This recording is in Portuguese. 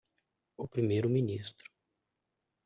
O primeiro ministro.